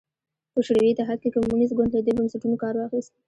په شوروي اتحاد کې کمونېست ګوند له دې بنسټونو کار واخیست